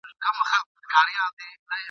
دوه او درې بد صفتونه یې لا نور وي !.